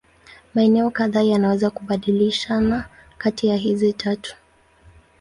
Maeneo kadhaa yanaweza kubadilishana kati hizi tatu.